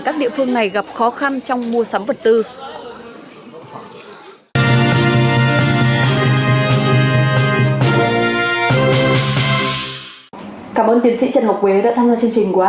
các địa phương này gặp khó khăn trong mua sắm vật tư